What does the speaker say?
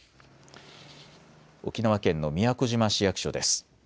沖縄県の宮古島市役所です。